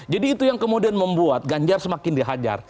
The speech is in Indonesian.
jadi itu yang kemudian membuat ganjar semakin dihajar